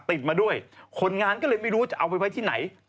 ติดมาด้วยคนงานก็เลยไม่รู้จะเอาไปไว้ที่ไหน